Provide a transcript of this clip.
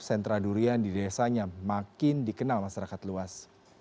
sentra durian di desanya makin dikenal masyarakat luas